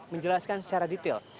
menjelaskan secara detail